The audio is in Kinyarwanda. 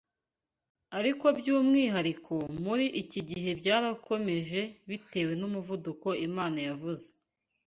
ariko by’umwihariko muri iki gihe byarakomeje bitewe n’umuvumo Imana yavuze